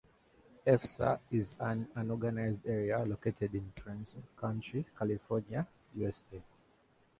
Efsta is an unorganized area located in Fresno County, California, USA.